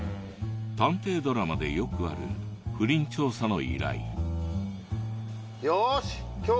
探偵ドラマでよくある不倫調査の依頼。